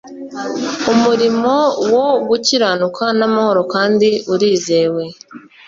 Umurimo wo gukiranuka namahoro kandi urizewe